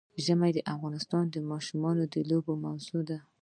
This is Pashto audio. ژمی د افغان ماشومانو د لوبو موضوع ده.